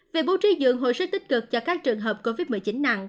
về bố trí giường hồi sức tích cực cho các trường hợp covid một mươi chín nặng